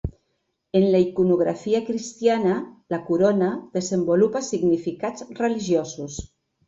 En la iconografia cristiana, la corona desenvolupa significats religiosos.